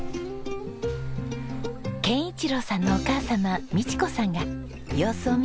憲一郎さんのお母様美智子さんが様子を見に来てくれました。